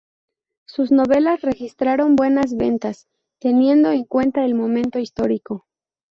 Sus novelas registraron buenas ventas teniendo en cuenta el momento histórico.